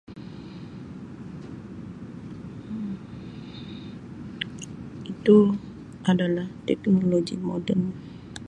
Um Itu adalah teknologi moden.